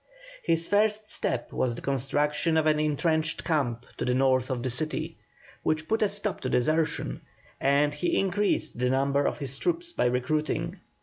His first step was the construction of an entrenched camp to the north of the city, which put a stop to desertion, and he increased the number of his troops by recruiting.